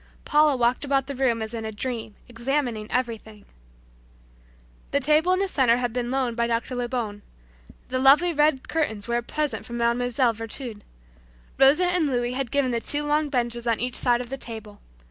Paula walked about the room as in a dream, examining everything. The table in the center had been loaned by Dr. Lebon. The lovely red curtains were a present from Mlle. Virtud. Rosa and Louis had given the two long benches on each side of the table.